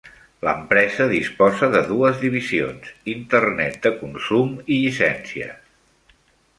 L'empresa disposa de dues divisions: Internet de consum i llicències.